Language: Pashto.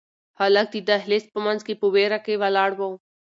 هلک د دهلېز په منځ کې په وېره کې ولاړ و.